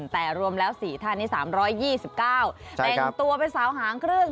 แต่รวมแล้ว๔ท่านนี้๓๒๙แต่งตัวเป็นสาวหางเครื่อง